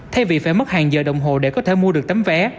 thay vì phải mất hàng giờ đồng hồ để có thể mua được tấm vé